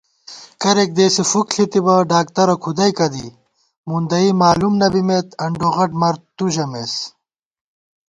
کرېک دېسے فُک ݪِتِبہ ڈاکترہ کھُدَئیکہ دی * مُندَئی مالُوم نہ بِمېت انڈوغٹ مر تُو ژَمېس